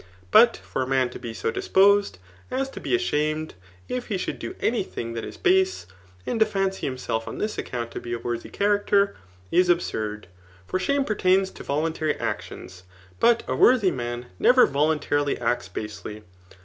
Bui for a man to be so disposed, as to be ashamed if he should do any thing that is base, and to fancy himself on this account to be a worthy character, is absurd. For shame pertains to voluntary actions ; but a worthy man never voluntas lily acts basely.